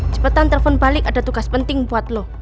cepetan telfon balik ada tugas penting buat lo